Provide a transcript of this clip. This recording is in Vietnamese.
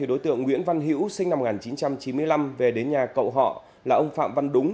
đối tượng nguyễn văn hữu sinh năm một nghìn chín trăm chín mươi năm về đến nhà cậu họ là ông phạm văn đúng